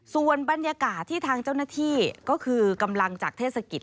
ส่วนบรรยากาศที่ทางเจ้าหน้าที่ก็คือกำลังจากเทศกิจ